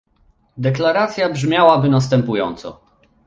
Deklaracja brzmiałaby następująco